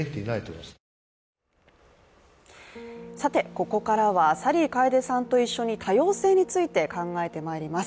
ここからは、サリー楓さんと一緒に多様性について考えてまいります。